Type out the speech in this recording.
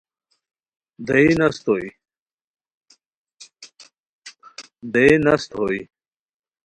دئیے نست ہوئے